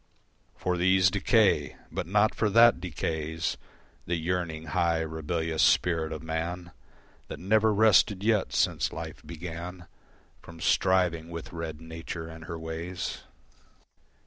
For these decay: but not for that decays The yearning, high, rebellious spirit of man That never rested yet since life began From striving with red Nature and her ways.